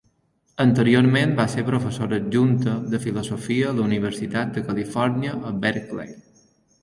Anteriorment, va ser professora adjunta de filosofia a la Universitat de Califòrnia a Berkeley.